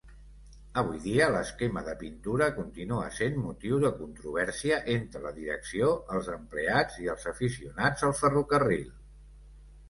Avui dia, l'esquema de pintura continua sent motiu de controvèrsia entre la direcció, els empleats i els aficionats al ferrocarril.